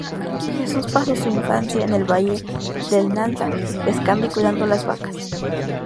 Jesús pasó su infancia en el valle del Nansa, pescando y cuidando las vacas.